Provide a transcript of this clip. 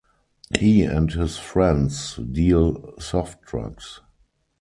He and his friends deal soft drugs.